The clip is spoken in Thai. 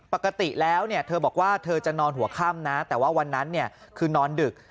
ปกติแล้วเธอบอกว่าเธอจะนอนหัวค่ำนะแต่ว่าวันนั้นคือนอนดึก